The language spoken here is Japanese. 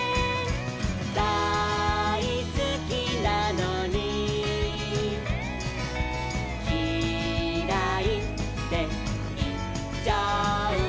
「だいすきなのにキライっていっちゃう」